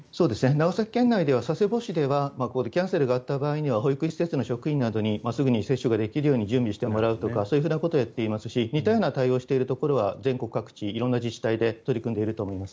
長崎県内では佐世保市ではキャンセルがあった場合には保育施設の職員にすぐに接種ができるように準備をしてもらうとかそういうふうなことをやっていますし似たような対応をしていることは全国各地でやっていると思います。